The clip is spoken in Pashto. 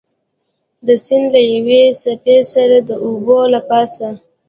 د سیند له یوې څپې سره د اوبو له پاسه.